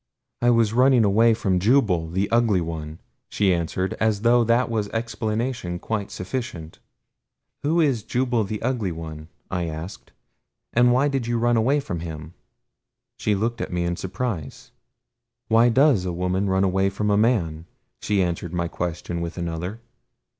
"I was running away from Jubal the Ugly One," she answered, as though that was explanation quite sufficient. "Who is Jubal the Ugly One?" I asked. "And why did you run away from him?" She looked at me in surprise. "Why DOES a woman run away from a man?" she answered my question with another.